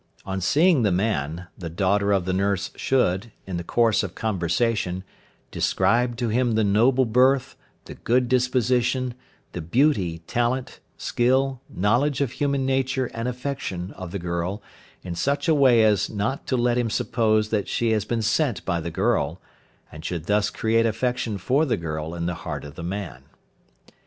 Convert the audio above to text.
On seeing the man, the daughter of the nurse should, in the course of conversation, describe to him the noble birth, the good disposition, the beauty, talent, skill, knowledge of human nature and affection of the girl in such a way as not to let him suppose that she has been sent by the girl, and should thus create affection for the girl in the heart of the man.